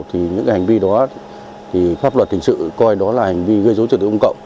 thì những hành vi đó pháp luật hình sự coi đó là hành vi gây dối trật tự công cộng